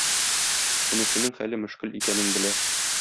Энесенең хәле мөшкел икәнен белә.